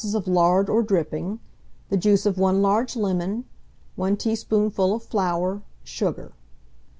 of lard or dripping, the juice of 1 large lemon, 1 teaspoonful of flour, sugar.